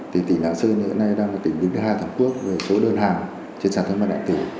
thì tỉnh lán sơn hiện nay đang là tỉnh đứng thứ hai toàn quốc về số đơn hàng trên sàn thương mại nạn tử